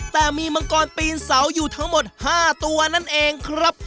แต่มีมังกรปีนเสาอยู่ทั้งหมด๕ตัวนั่นเองครับ